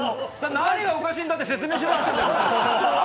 何がおかしいんだって説明しろ！